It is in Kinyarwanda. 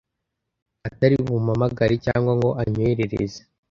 atari bumpamagare cyangwa ngo anyoherereze